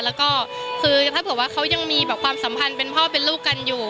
แล้วก็คือถ้าเผื่อว่าเขายังมีความสัมพันธ์เป็นพ่อเป็นลูกกันอยู่